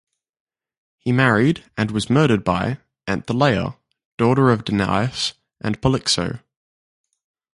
He married and was murdered by Anthelea, daughter of Danaus and Polyxo.